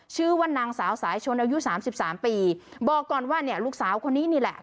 ชื่อว่านางสาวสายชนอายุสามสิบสามปีบอกก่อนว่าเนี่ยลูกสาวคนนี้นี่แหละ